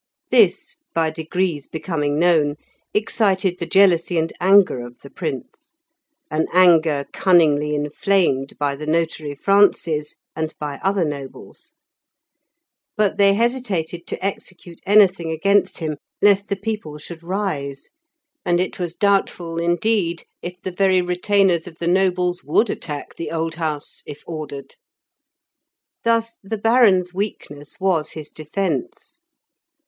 This, by degrees becoming known, excited the jealousy and anger of the Prince, an anger cunningly inflamed by the notary Francis, and by other nobles. But they hesitated to execute anything against him lest the people should rise, and it was doubtful, indeed, if the very retainers of the nobles would attack the Old House, if ordered. Thus the Baron's weakness was his defence.